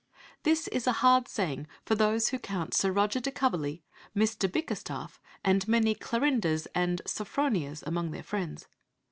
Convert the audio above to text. This is a hard saying for those who count "Sir Roger de Coverley," "Mr. Bickerstaff," and many "Clarindas" and "Sophronias" among their friends.